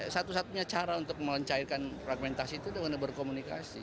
satu satunya cara untuk mencairkan fragmentasi itu dengan berkomunikasi